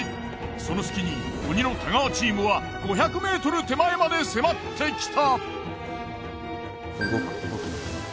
その隙に鬼の太川チームは５００ｍ手前まで迫ってきた。